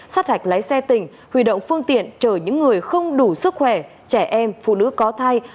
sát hạch lái xe tỉnh hủy động phương tiện chở những người không đủ sức khỏe trẻ em phụ nữ có thai